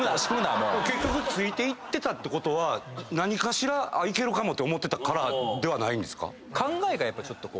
結局ついていってたってことは何かしらいけるかもと思ってたからではないんですか？